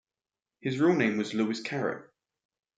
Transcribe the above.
His real name was Louis Carette.